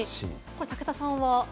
武田さんは？